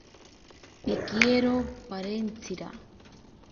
Pikiero parentsira.